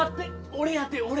俺やて俺。